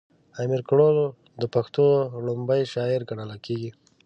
امير کروړ د پښتو ړومبی شاعر ګڼلی کيږي